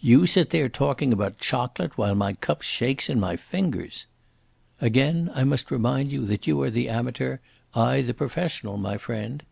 "You sit there talking about chocolate while my cup shakes in my fingers." "Again I must remind you that you are the amateur, I the professional, my friend."